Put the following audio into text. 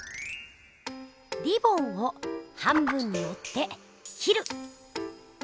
リボンを半分におって切る。